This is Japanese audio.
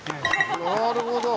なるほど。